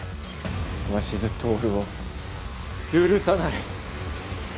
鷲津亨を許さない。